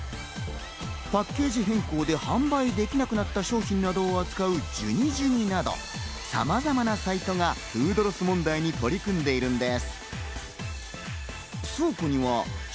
パッケージ変更で販売できなかった商品などを扱うジュンニジジューなどさまざまなサイトがフードロス問題に取り組んでいるのです。